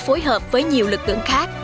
phối hợp với nhiều lực lượng khác